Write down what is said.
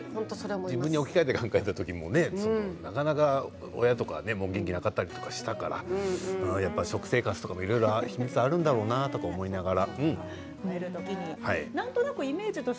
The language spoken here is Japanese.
自分に置き換えて考えた時もなかなか親とか元気な方でしたが食生活とかいろいろ秘密があるんだろうなと思いながら。